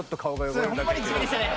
これそれホンマに地味でしたね。